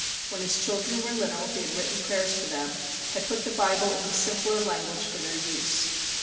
When his children were little, he had written prayers for them, had put the Bible into simpler language for their use.